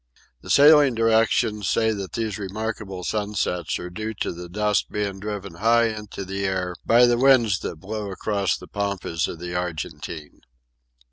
The Sailing Directions say that these remarkable sunsets are due to the dust being driven high into the air by the winds that blow across the pampas of the Argentine.